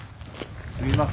すいません